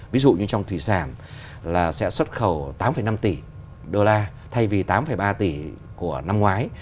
ví dụ như trong thủy sản là sẽ xuất khẩu tám năm tỷ đô la thay vì tám ba tỷ của năm ngoái